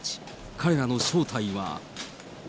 彼らの正体は。